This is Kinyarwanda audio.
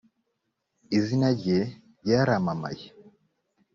izina rye ryaramamaye